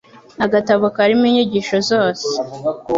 agatabo karimo inyigisho zose